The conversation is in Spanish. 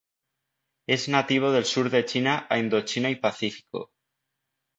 Es nativo del sur de China a Indochina y Pacífico.